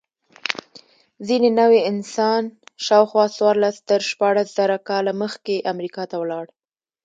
ځینې نوعې انسان شاوخوا څوارلس تر شپاړس زره کاله مخکې امریکا ته ولاړ.